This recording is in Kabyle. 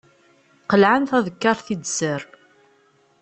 Qelɛen tadekkart i ddser.